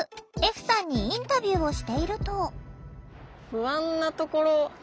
歩さんにインタビューをしていると。